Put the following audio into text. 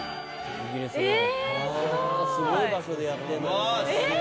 すごい場所でやってんだね。